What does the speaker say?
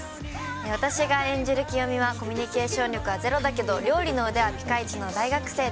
私が演じる清美は、コミュニケーション力はゼロだけど、料理の腕はピカイチの大学生。